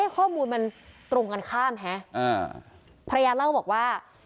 ข้อมูลมันตรงกันข้ามฮะภรรยาเล่าบอกว่า